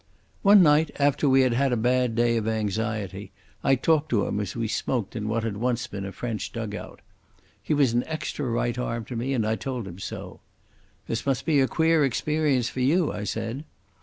One night, after we had had a bad day of anxiety, I talked to him as we smoked in what had once been a French dug out. He was an extra right arm to me, and I told him so. "This must be a queer experience for you," I said.